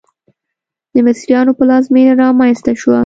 د مصریانو پلازمېنه رامنځته شوه.